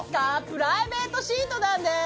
プライベートシートなんです！